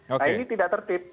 nah ini tidak tertib